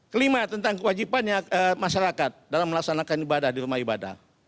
kelima tentang kewajibannya masyarakat dalam melaksanakan ibadah di rumah ibadah